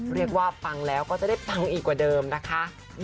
เรียกว่าฟังแล้วก็จะได้ปังอีกกว่าเดิมนะคะ